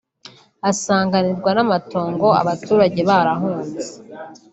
asanganirwa n’amatongo; abaturage barahunze